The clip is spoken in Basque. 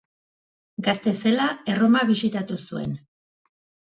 Gazte zela, Erroma bisitatu zuen.